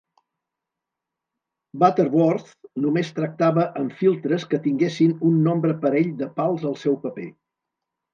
Butterworth només tractava amb filtres que tinguessin un nombre parell de pals al seu paper.